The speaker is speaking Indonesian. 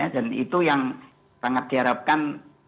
dan itu yang sangat diharapkan